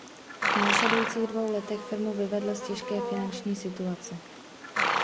V následujících dvou letech firmu vyvedl z těžké finanční situace.